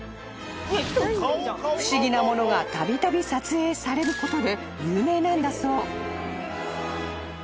［不思議なものがたびたび撮影されることで有名なんだそう］